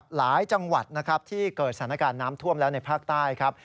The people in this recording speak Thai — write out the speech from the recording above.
หลายจังหวัดนะครับที่เกิดสถานการณ์น้ำท่วมแล้วในภาคใต้ครับ